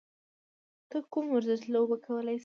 ته کوم ورزش لوبه کولی شې؟